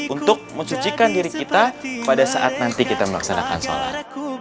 untuk mencucikan diri kita pada saat nanti kita melaksanakan sholat